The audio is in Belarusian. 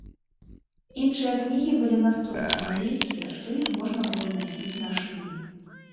Іншыя кнігі былі настолькі маленькія, што іх можна было насіць на шыі.